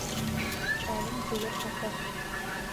Кӏалэм дзыор къыхьыгъ.